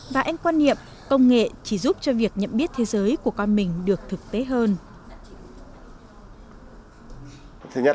và anh quan niệm công nghệ chỉ giúp cho việc nhận biết thế giới của con mình được thực tế hơn